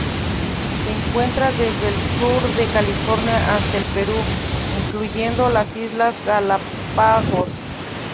Se encuentra desde el sur de California hasta el Perú, incluyendo las Islas Galápagos.